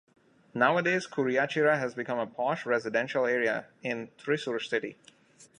Nowadays, Kuriachira has become a posh residential area in Thrissur city.